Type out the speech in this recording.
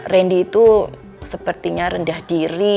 randy itu sepertinya rendah diri